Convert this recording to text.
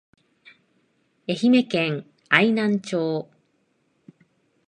愛媛県愛南町